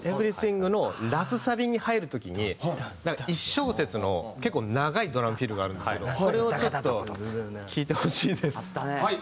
『Ｅｖｅｒｙｔｈｉｎｇ』のラスサビに入る時に１小節の結構長いドラムフィルがあるんですけどそれをちょっと聴いてほしいです。